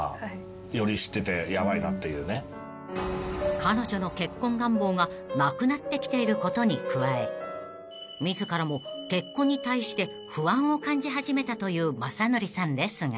［彼女の結婚願望がなくなってきていることに加え自らも結婚に対して不安を感じ始めたという雅紀さんですが］